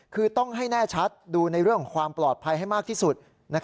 คือต้องให้แน่ชัดดูในเรื่องของความปลอดภัยให้มากที่สุด